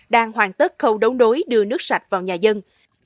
đang hoàn tất khâu đấu đối đưa nước sạch vào nhà dân